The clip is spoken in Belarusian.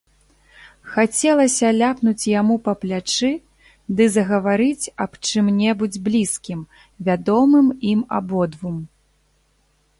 Хацелася ляпнуць яму па плячы ды загаварыць аб чым-небудзь блізкім, вядомым ім абодвум.